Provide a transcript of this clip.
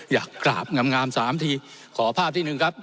อยากกราบงามสามทีขอภาพที่หนึ่งครับ